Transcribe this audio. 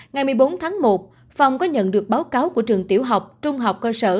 ngày một mươi bốn tháng một phòng có nhận được báo cáo của trường tiểu học trung học cơ sở